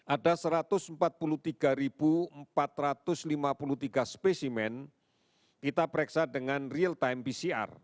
ada satu ratus empat puluh tiga empat ratus lima puluh tiga spesimen kita pereksa dengan real time pcr